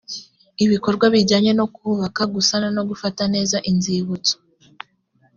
ibikorwa bijyanye no kubaka gusana no gufata neza inzibutso